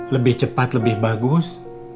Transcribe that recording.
lebih cepat lebih bagus